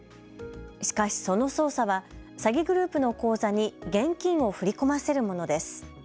しかし、その操作は詐欺グループの口座に現金を振り込ませるものです。